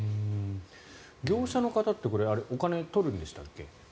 業者の方ってお金、取るんでしたっけ。